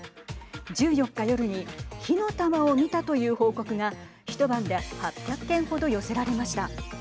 １４日夜に火の球を見たという報告が一晩で８００件程寄せられました。